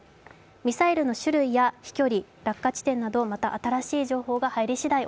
ミサイルの種類や飛距離、落下地点など、また新しい情報が入りしだい